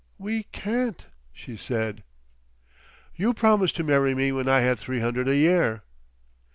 "We can't," she said. "You promised to marry me when I had three hundred a year."